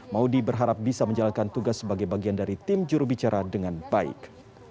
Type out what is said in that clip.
maudie berharap bisa menjalankan tugas sebagai bagian dari tim jurubicara dengan baik